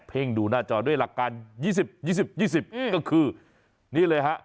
เพ่งดูหน้าจอด้วยละกัน๒๐๒๐๒๐ก็คือนี่เลยครับ